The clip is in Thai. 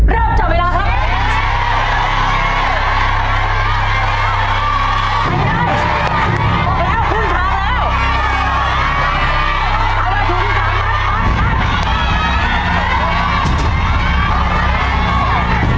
เริ่มจบเวลาครับ